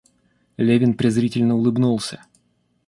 Левин презрительно улыбнулся.